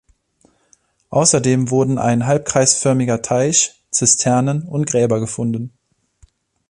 Außerdem wurden ein halbkreisförmiger Teich, Zisternen und Gräber gefunden.